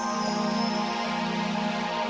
ya ya pulang